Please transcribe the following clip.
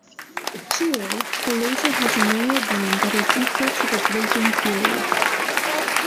Here, the laser has a narrow beam that is equal to the grating period.